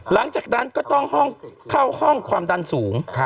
หลังจากนั้นก็ต้องห้องเข้าห้องความดันสูง